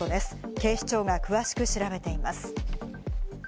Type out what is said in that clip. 警視庁が詳しく調べています。